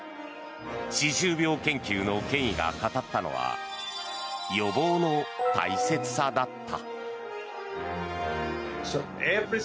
歯周病研究の権威が語ったのは予防の大切さだった。